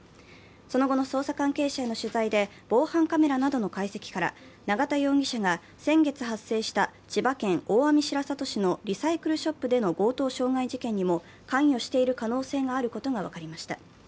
その後の捜査関係者への取材で、防犯カメラなどの解析から永田容疑者が先月発生した千葉県大網白里市のリサイクルショップでの強盗傷害事件にも関与している可能性があることが分かりました。